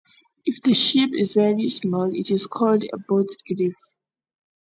If the ship is very small, it is called a boat grave.